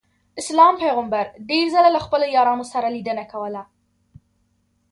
اسلام پیغمبر ډېر ځله له خپلو یارانو سره لیدنه کوله.